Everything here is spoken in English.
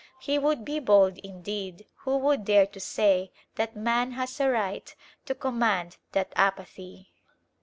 He would be bold indeed who would dare to say that man has a right to command that apathy.